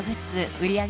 売り上げ